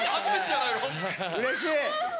うれしい！